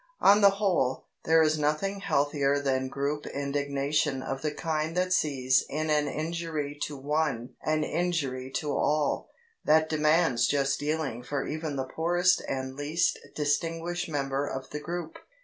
On the whole, there is nothing healthier than group indignation of the kind that sees in an injury to one an injury to all that demands just dealing for even the poorest and least distinguished member of the group.